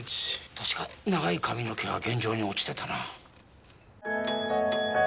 確か長い髪の毛が現場に落ちてたな。